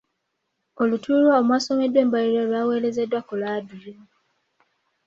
Olutuula omwasomeddwa embalirira lwaweerezeddwa ku laadiyo.